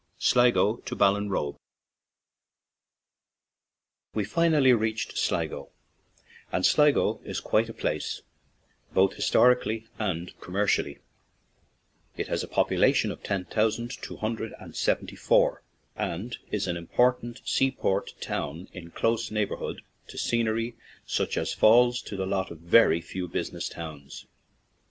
SLIGO TO BALLINROBE WE finally reached Sligo; and Sligo is quite a place, both historically and com mercially. It has a population of 10,274, and is an important seaport town in close neighborhood to scenery such as falls to the lot of very few business towns.